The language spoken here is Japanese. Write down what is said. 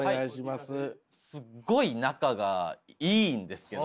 すっごい仲がいいんですけど。